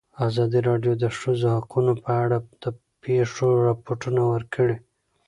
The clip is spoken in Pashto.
ازادي راډیو د د ښځو حقونه په اړه د پېښو رپوټونه ورکړي.